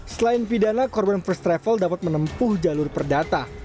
selain pidana korban first travel dapat menempuh jalur perdata